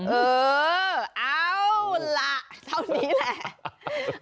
เออเอาล่ะเท่านี้แหละ